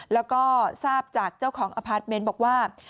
แล้วก็ทราบจากเจ้าของอพาร์ทเมนต์บอกว่า